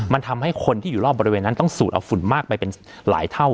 มันทำให้คนที่อยู่รอบบริเวณนั้นต้องสูดเอาฝุ่นมากไปเป็นหลายเท่า